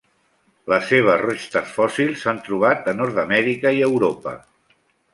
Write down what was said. Les seves restes fòssils s'han trobat a Nord-amèrica i Europa.